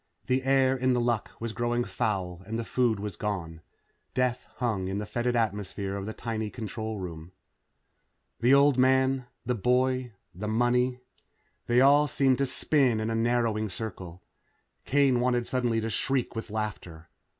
The air in The Luck was growing foul and the food was gone. Death hung in the fetid atmosphere of the tiny control room. The old man the boy the money. They all seemed to spin in a narrowing circle. Kane wanted suddenly to shriek with laughter.